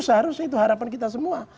seharusnya itu harapan kita semua